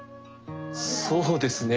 そうですね。